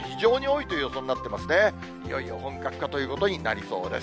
いよいよ本格化ということになりそうです。